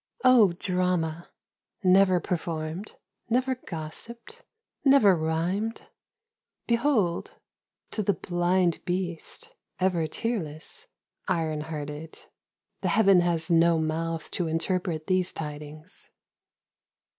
O, drama ! never performed, never gossiped, never rhymed ! Behold — ^to the blind beast, ever tearless, iron hearted, the Heaven has no mouth to interpret these tidings